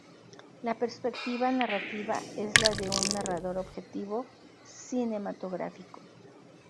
La perspectiva narrativa es la de un narrador objetivo, cinematográfico.